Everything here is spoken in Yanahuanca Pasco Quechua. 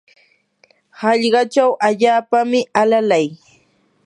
hallqachaw allaapami alalay.